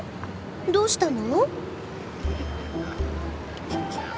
どうしたの？